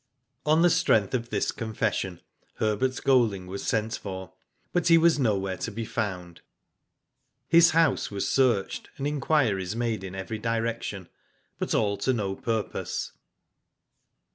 '' On the strength of this confession Herbert Golding was sent for, but he was nowhere to be found. His house was searched, and inquiries made in every direction, but all to no purpose.